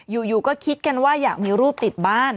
อยู่ก็คิดกันว่าอยากมีรูปติดบ้าน